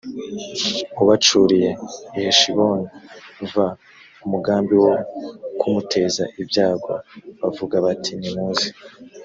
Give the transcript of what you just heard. u bacuriye i heshiboni v umugambi wo kumuteza ibyago bavuga bati nimuze